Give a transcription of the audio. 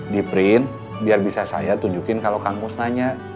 di print biar bisa saya tunjukin kalau kang musnahnya